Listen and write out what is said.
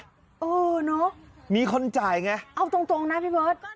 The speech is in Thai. เออเนอะมีคนจ่ายไงเอาตรงนะพี่เบิร์ต